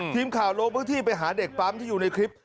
ทีมข่าวลงพื้นที่ไปหาเด็กปั๊มที่อยู่ในคลิป